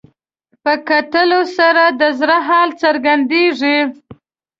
په کتلو سره د زړه حال څرګندېږي